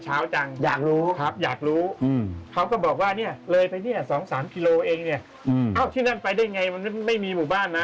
อ้าวที่นั่นไปได้ไงมันไม่มีหมู่บ้านนะ